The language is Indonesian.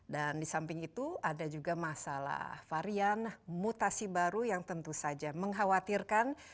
dan di samping itu ada juga masalah varian mutasi baru yang tentu saja mengkhawatirkan